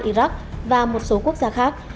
iraq và một số quốc gia khác